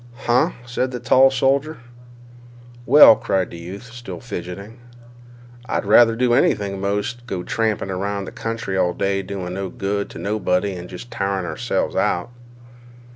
"Huh!" said the loud soldier. "Well," cried the youth, still fidgeting, "I'd rather do anything 'most than go tramping 'round the country all day doing no good to nobody and jest tiring ourselves out."